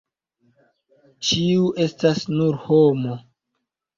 Ĉiu estas nur homo.